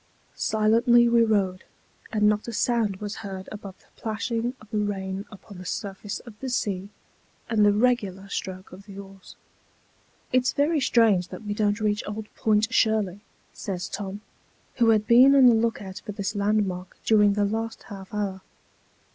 Silently we rowed, and not a sound was heard above the plashing of the rain upon the surface of the sea, and the regular stroke of the oars. "It's very strange that we don't reach old Point Shirley," says Tom, who had been on the look out for this landmark during the last half hour.